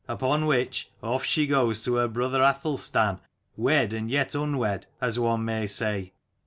Upon which off she goes to her brother Athelstan, wed and yet unwed, as one may say.